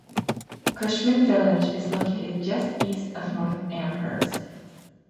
Cushman Village is located just east of North Amherst.